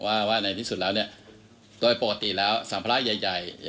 ว่าในที่สุดแล้วเนี่ยโดยปกติแล้วสัมภาระใหญ่